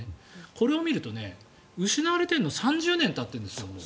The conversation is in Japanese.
これを見ると失われてるのはもう３０年たってるんです。